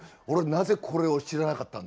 なぜこれを知らなかったんだと。